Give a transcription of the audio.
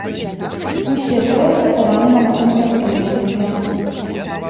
Усе трое працавалі на гэтым прадпрыемстве.